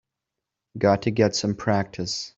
Got to get some practice.